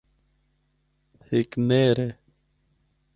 ہک نہر ہے۔